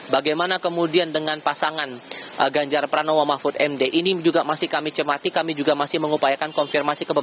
bagaimana kemudian dengan pasangan ganjar pranowo mahfud md ini juga masih kami cermati kami juga masih mengupayakan konfirmasi